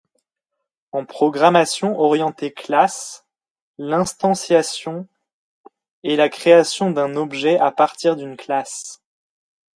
En programmation orientée classe, l'instanciation est la création d'un objet à partir d'une classe.